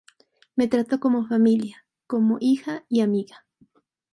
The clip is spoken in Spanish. Me trató como familia, como hija y amiga".